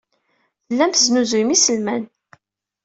Tellam tesnuzuyem iselman.